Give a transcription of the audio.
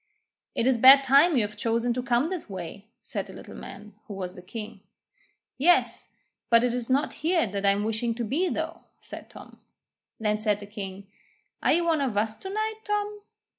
'It is a bad time you have chosen to come this way,' said the Little Man, who was the king. 'Yes; but it is not here that I'm wishing to be though,' said Tom. Then said the king: 'Are you one of us to night, Tom?'